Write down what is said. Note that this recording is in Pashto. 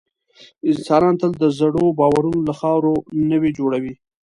انسانان تل د زړو باورونو له خاورو نوي جوړوي.